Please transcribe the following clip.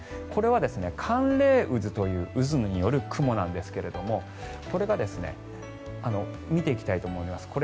これは寒冷渦という渦による雲なんですが見ていきたいと思います。